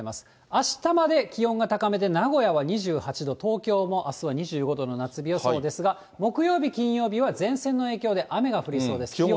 あしたまで気温が高めで、名古屋が２８度、東京もあすは２５度の夏日予想ですが、木曜日、金曜日は前線の影響で、雨が降りそうです。